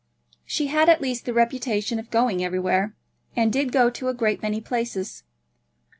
She had at least the reputation of going everywhere, and did go to a great many places.